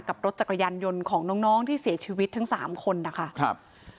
กับรถจักรยานยนต์ของน้องน้องที่เสียชีวิตทั้งสามคนนะคะครับ